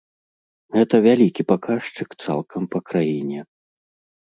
Гэта вялікі паказчык цалкам па краіне.